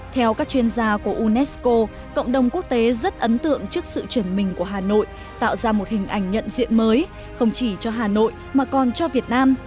theo các chuyên gia của unesco cộng đồng quốc tế rất ấn tượng trước sự chuyển mình của hà nội tạo ra một hình ảnh nhận diện mới không chỉ cho hà nội mà còn cho việt nam